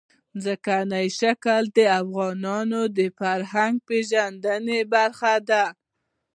ځمکنی شکل د افغانانو د فرهنګي پیژندنې برخه ده.